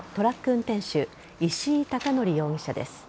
運転手石井孝法容疑者です。